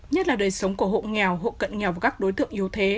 nhất là đời sống của hộ nghèo hộ cận nghèo và các đối tượng yếu thế